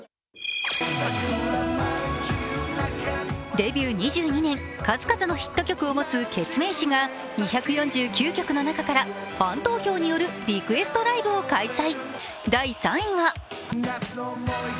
デビュー２２年、数々のヒット曲を持つケツメイシが２４９曲の中からファン投票によるリクエストライブを開催。